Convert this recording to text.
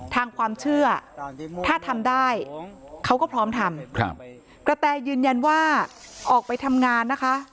ทางความเชื่อถ้าทำได้เขาก็พร้อมทำกระแตยืนยันว่าออกไปทำงานนะคะ